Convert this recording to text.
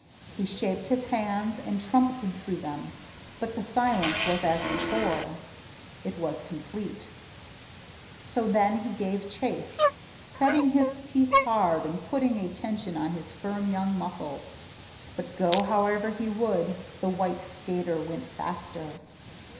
He shaped his hands and trumpeted through them, but the silence was as before it was complete. So then he gave chase, setting his teeth hard and putting a tension on his firm young muscles. But go however he would, the white skater went faster.